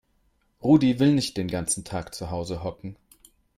Rudi will nicht den ganzen Tag zu Hause hocken.